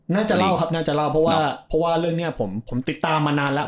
น่าจะเล่าครับน่าจะเล่าเพราะว่าเพราะว่าเรื่องนี้ผมติดตามมานานแล้ว